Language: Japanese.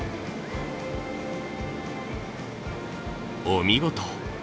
お見事！